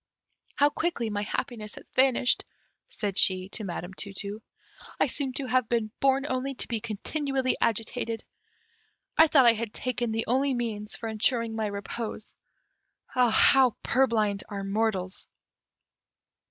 "How quickly my happiness has vanished," said she to Madame Tu tu; "I seem to have been born only to be continually agitated. I thought I had taken the only means for ensuring my repose; how purblind are mortals!"